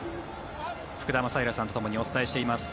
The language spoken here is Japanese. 福田正博さんとともにお伝えしています。